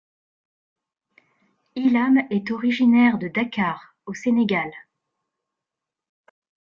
Ilam est originaire de Dakar, au Sénégal.